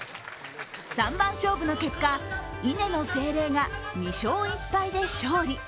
三番勝負の結果、稲の精霊が２勝１敗で勝利。